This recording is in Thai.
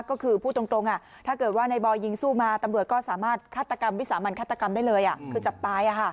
ก็คือพูดตรงอ่ะถ้าเกิดว่านายบอยล์ยิงสู้มาตำรวจก็สามารถฆัตกรรมวิสามารถฆัตกรรมได้เลยอ่ะคือจับป้ายอ่ะฮะ